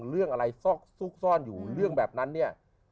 เรื่องอะไรซอกซุกซ่อนอยู่เรื่องแบบนั้นเนี่ย